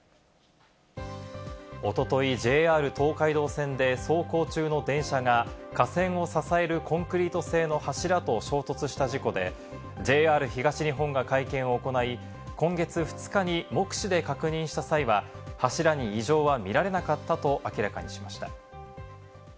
おととい、ＪＲ東海道線で走行中の電車が架線を支えるコンクリート製の柱と衝突した事故で、ＪＲ東日本が会見を行い、今月２日に目視で確認した際は、柱に異常は見られなかったと明らかにしました。